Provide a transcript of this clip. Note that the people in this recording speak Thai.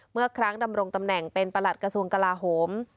เมื่อครั้งดำรงตำแหน่งเป็นประหลัดกระทรวงกลาโหม